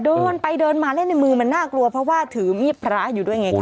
เดินไปเดินมาเล่นในมือมันน่ากลัวเพราะว่าถือมีดพระอยู่ด้วยไงคะ